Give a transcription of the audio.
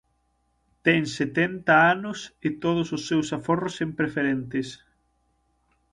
Ten setenta anos e todos os seus aforros en preferentes.